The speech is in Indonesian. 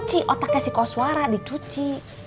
cuci otaknya si koswara dicuci